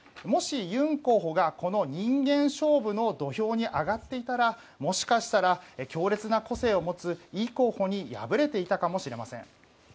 もし、ユン候補がこの人間勝負の土俵に上がっていたらもしかしたら強烈な個性を持つイ候補に敗れていたかもしれません。